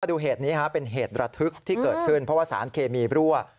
ดูเหตุนี้เป็นเหตุระทึกที่เกิดขึ้นเพราะว่าสารเคมีรั่ว